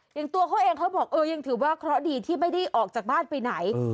อย่างตัวเขาเองเขาบอกเออยังถือว่าเคราะห์ดีที่ไม่ได้ออกจากบ้านไปไหน